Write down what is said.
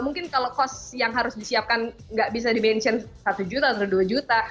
mungkin kalau cost yang harus disiapkan nggak bisa dimention satu juta atau dua juta